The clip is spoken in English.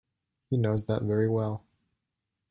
He knows that very well.